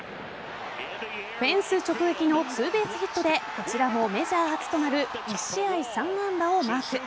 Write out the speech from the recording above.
フェンス直撃のツーベースヒットでこちらもメジャー初となる１試合３安打をマーク。